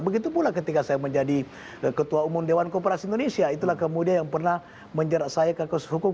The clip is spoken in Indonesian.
begitu pula ketika saya menjadi ketua umum dewan kooperasi indonesia itulah kemudian yang pernah menjerat saya ke kasus hukum